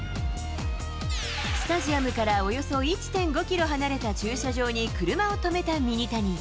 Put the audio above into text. スタジアムからおよそ１．５キロ離れた駐車場に車を止めたミニタニ。